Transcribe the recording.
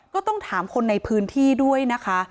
ก็ต้องถามคนในพื้นที่ด้วยนะคะ